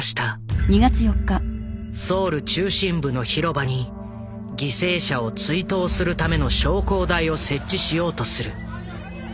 ソウル中心部の広場に犠牲者を追悼するための焼香台を設置しようとする。